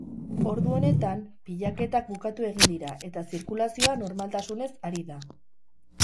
Ordu honetan, pilaketak bukatu egin dira eta zirkulazioa normaltasunez ari da.